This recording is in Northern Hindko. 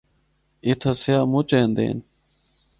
اِتھا سیاح مُچ ایندے ہن۔